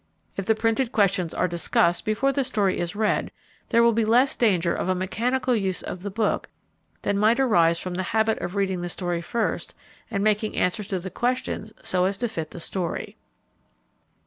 If the printed questions are discussed before the story is read there will be less danger of a mechanical use of the book than might arise from the habit of reading the story first and making answers to the questions so as to fit the story.